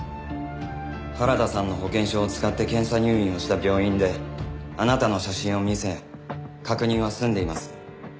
原田さんの保険証を使って検査入院をした病院であなたの写真を見せ確認は済んでいます。